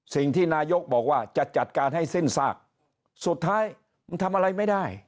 สิ่งที่นายกบอกว่าจะจัดการให้สิ้นซากสุดท้ายมันทำอะไรไม่ได้